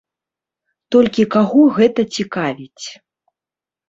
Толькі каго гэта цікавіць?